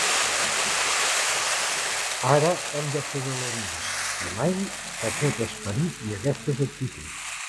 Ara hem de fer valer més que mai aquest esperit i aquestes actituds.